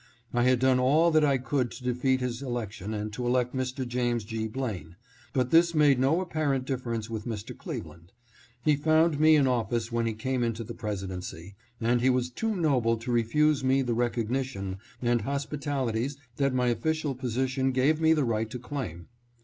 I had done all that I could to defeat his election and to elect Mr. James G. Blaine, but this made no apparent differ ence with Mr. Cleveland. He found me in office when he came into the Presidency, and he was too noble to refuse me the recognition and hospitalities that my official position gave me the right to claim.